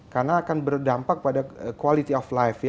karena akan berdampak pada quality of life